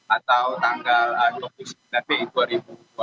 atau tanggal dua puluh sembilan mei dua ribu dua puluh